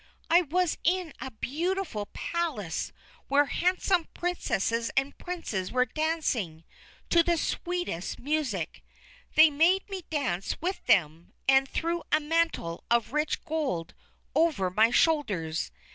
I was in a beautiful palace where handsome Princesses and Princes were dancing to the sweetest music. They made me dance with them, and threw a mantle of rich gold over my shoulders.